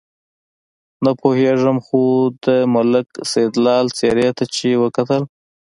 نه پوهېږم خو د ملک سیدلال څېرې ته چې وکتل.